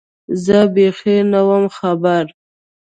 زه بېخي نه وم خبر